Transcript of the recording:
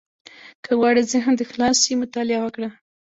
• که غواړې ذهن دې خلاص شي، مطالعه وکړه.